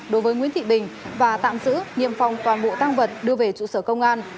đối với nguyễn thị bình và tạm giữ nghiêm phòng toàn bộ tang vật đưa về trụ sở công an